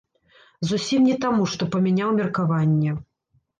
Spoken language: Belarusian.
Зусім не таму, што памяняў меркаванне.